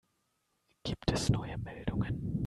Gibt es neue Meldungen?